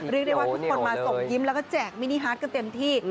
เรียกได้ว่าทุกคนมาส่งยิ้มแล้วก็แจกมินิฮาร์ดกันเต็มที่